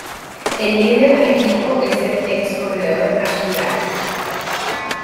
El líder del equipo es el ex-corredor Aki Ajo.